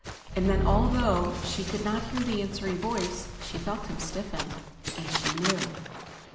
And then, although she could not hear the answering voice, she felt him stiffen. And she knew.